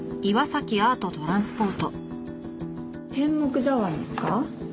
天目茶碗ですか？